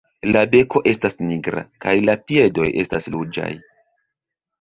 La beko estas nigra kaj la piedoj estas ruĝaj.